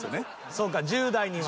そうか１０代には。